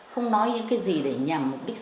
không nói những cái gì để nhằm mục đích